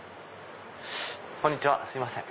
こんにちはすいません。